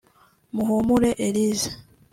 Muhumure Elysée